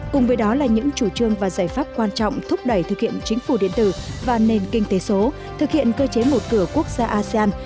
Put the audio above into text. cùng với đó là những chủ trương và giải pháp quan trọng thúc đẩy thực hiện chính phủ điện tử và nền kinh tế số thực hiện cơ chế một cửa quốc gia asean